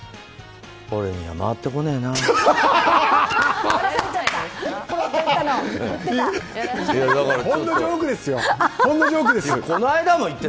俺には回ってこないなって。